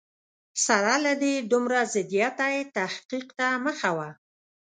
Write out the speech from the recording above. سره له دې دومره ضدیته یې تحقیق ته مخه وه.